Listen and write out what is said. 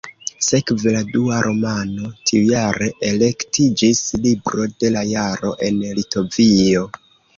Sekve la dua romano tiujare elektiĝis "Libro de la Jaro" en Litovio.